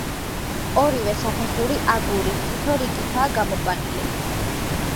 ორივე საფეხური აგურის, თითო რიგითაა გამოყვანილი.